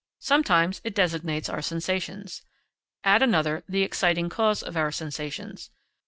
Sometimes it designates our sensations; at another, the exciting cause of our sensations.